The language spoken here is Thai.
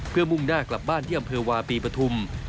เพื่อมุ่งหน้ากลับบ้านที่อำเภอวาปีปฐุม